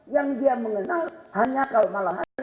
yang dia mengenal hanya kalau malah ada